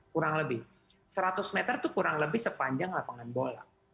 kurang lebih seratus meter itu kurang lebih sepanjang lapangan bola